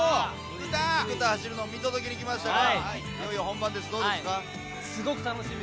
菊田走るの見届けに来ましたが。